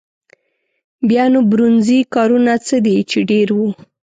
بیا نو برونزي کارونه څه دي چې ډېر وو.